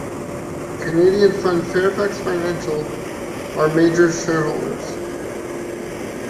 Canadian fund Fairfax Financial are major shareholders.